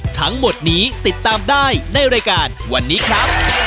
ทั้งหมดนี้ติดตามได้ในรายการวันนี้ครับ